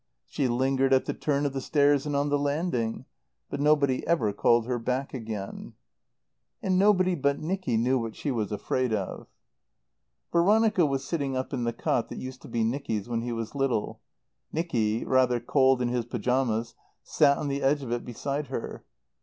She lingered at the turn of the stairs and on the landing. But nobody ever called her back again. And nobody but Nicky knew what she was afraid of. Veronica was sitting up in the cot that used to be Nicky's when he was little. Nicky, rather cold in his pyjamas, sat on the edge of it beside her.